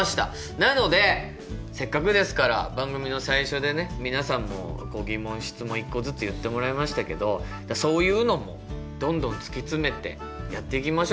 なのでせっかくですから番組の最初でね皆さんも疑問質問１個ずつ言ってもらいましたけどそういうのもどんどん突き詰めてやっていきましょう。